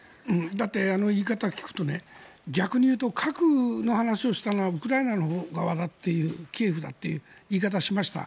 だってあの言い方を聞くと、逆に言うと核の話をしたのはウクライナの側だというキエフだっていう言い方をしました。